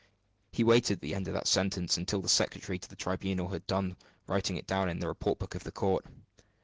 He waited at the end of that sentence, until the secretary to the tribunal had done writing it down in the report book of the court.